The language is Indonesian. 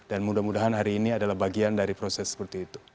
dan mudah mudahan hari ini adalah bagian dari proses seperti itu